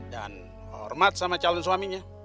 dan hormat sama calon suaminya